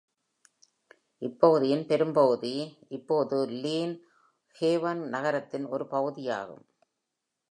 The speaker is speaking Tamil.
இப்பகுதியின் பெரும்பகுதி இப்போது லின் ஹேவன் நகரத்தின் ஒரு பகுதியாகும்.